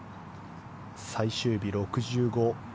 最終日、６５